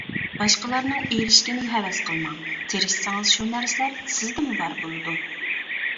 باشقىلارنىڭ ئېرىشكىنىگە ھەۋەس قىلماڭ، تىرىشسىڭىز شۇ نەرسىلەر سىزدىمۇ بار بولىدۇ.